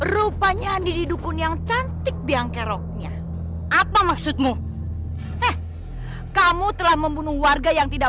rupanya andi didukun yang cantik biangkeroknya apa maksudmu kamu telah membunuh warga yang tidak